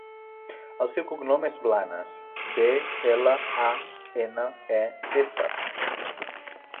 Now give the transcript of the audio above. El seu cognom és Blanes: be, ela, a, ena, e, essa.